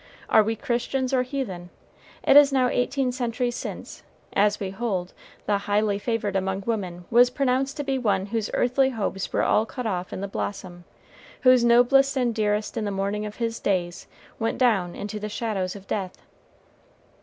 Are we Christians or heathen? It is now eighteen centuries since, as we hold, the "highly favored among women" was pronounced to be one whose earthly hopes were all cut off in the blossom, whose noblest and dearest in the morning of his days went down into the shadows of death.